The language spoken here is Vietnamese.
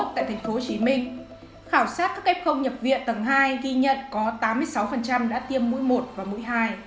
tại thành phố hồ chí minh khảo sát các f nhập viện tầng hai ghi nhận có tám mươi sáu đã tiêm mũi một và mũi hai